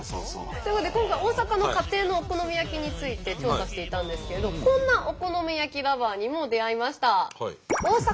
ということで今回大阪の家庭のお好み焼きについて調査していたんですけどこんなお好み焼きＬｏｖｅｒにも出会いました。